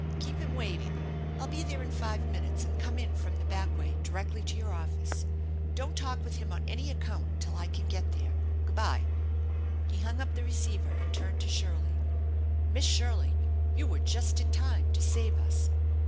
Keep him waiting. I'll be there in five minutes, and come in from the back way directly to your office. Don't talk with him on any account till I can get there. Good by." He hung up the receiver and turned to Shirley. " Miss Shirley, you were just in time to save us.